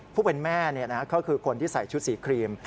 ผู้เป็นแม่ก็คือคนที่ใส่ชุดสีครีม